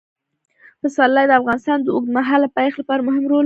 پسرلی د افغانستان د اوږدمهاله پایښت لپاره مهم رول لري.